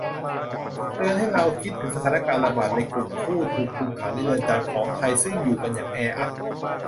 เตือนให้เราคิดถึงสถานการณ์ระบาดในกลุ่มผู้ถูกคุมขังในเรือนจำของไทย ซึ่งอยู่กันอย่างแออัด